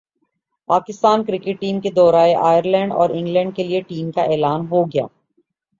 Pakistan cricket team کے دورہ Ireland اور انگلینڈ کیلئے ٹیم کا اعلان ہو گیا